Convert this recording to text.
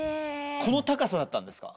この高さだったんですか？